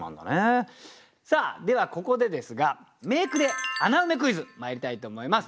さあではここでですが「名句ｄｅ穴埋めクイズ」まいりたいと思います。